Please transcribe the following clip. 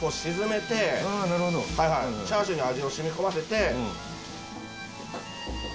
チャーシューに味を染み込ませて。